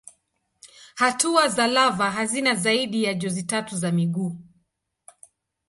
Hatua za lava hazina zaidi ya jozi tatu za miguu.